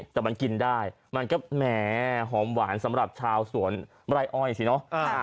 แต่มันกินได้มันก็แหมหอมหวานสำหรับชาวสวนไร่อ้อยสิเนอะ